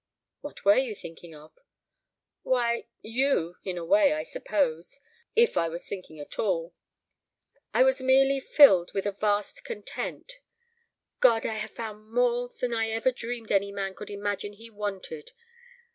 "What were you thinking of?" "Why you in a way, I suppose. If I was thinking at all. I was merely filled with a vast content. God! I have found more than I ever dreamed any man could imagine he wanted.